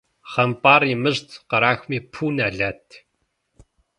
ХъымпIар имыщIт, кърахми пу нэлат.